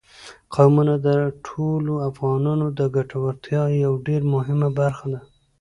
قومونه د ټولو افغانانو د ګټورتیا یوه ډېره مهمه برخه ده.